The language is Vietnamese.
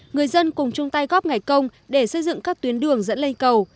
người dân cùng chung tay góp ngày công để xây dựng các tuyến đường dẫn lên cầu